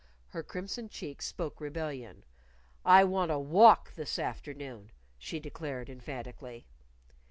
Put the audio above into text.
Her crimson cheeks spoke rebellion. "I want a walk this afternoon," she declared emphatically.